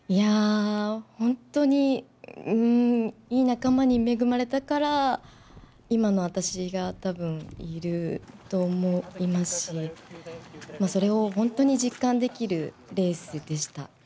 本当にいい仲間に恵まれたから、今の私がたぶんいると思いますし、それを本当に実感できるレースでした。